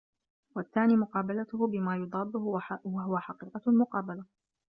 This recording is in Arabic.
وَالثَّانِي مُقَابَلَتُهُ بِمَا يُضَادُّهُ وَهُوَ حَقِيقَةُ الْمُقَابَلَةِ